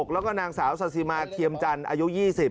แล้วก็นางสาวซาสิมาเทียมจันทร์อายุ๒๐